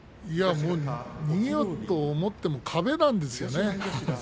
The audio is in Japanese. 逃げようと思っても壁なんですよね。